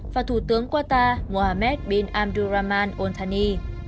và thủ tướng qatar mohammed bin abdulrahman al thani